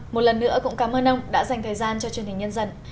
một lần nữa cũng cảm ơn ông đã dành thời gian cho chương trình nhân dân